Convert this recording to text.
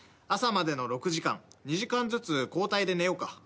朝までの６時間２時間ずつ交代で寝ようか？